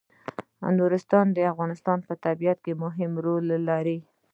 نورستان د افغانستان په طبیعت کې مهم رول لري.